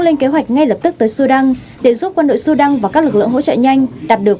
lên kế hoạch ngay lập tức tới sudan để giúp quân đội sudan và các lực lượng hỗ trợ nhanh đạt được